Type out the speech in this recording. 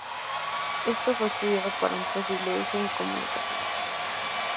Esto fue estudiado para su posible uso en comunicaciones.